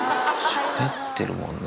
しゃべってるもんな。